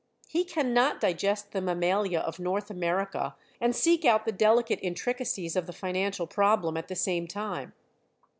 He cannot digest the mammalia of North America and seek out the delicate intricacies of the financial problem at the same time.